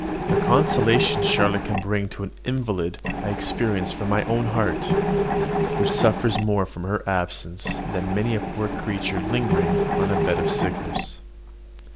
The consolation Charlotte can bring to an invalid I experience from my own heart, which suffers more from her absence than many a poor creature lingering on a bed of sickness.